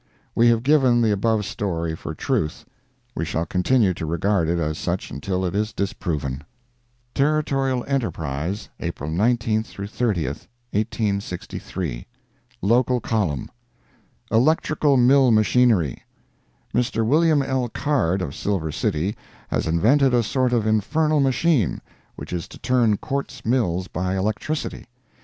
We have given the above story for truth—we shall continue to regard it as such until it is disproven. Territorial Enterprise, April 19—30, 1863 LOCAL COLUMN ELECTRICAL MILL MACHINERY.—Mr. Wm. L. Card, of Silver City, has invented a sort of infernal machine, which is to turn quartz mills by electricity.